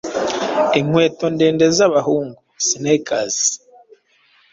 Inkweto ndende z’abahungu ‘sneakers’